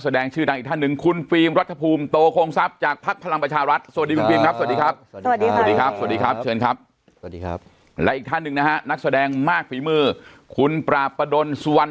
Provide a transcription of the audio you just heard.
๑๐๐ล้านเขาเรียนอัฆษรรทนนิติพล